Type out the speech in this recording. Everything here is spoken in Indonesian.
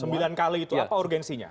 sembilan kali itu apa urgensinya